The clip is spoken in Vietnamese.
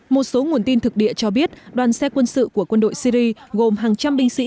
một số nguồn tin thực địa cho biết đoàn xe quân sự của quân đội syri gồm hàng trăm binh sĩ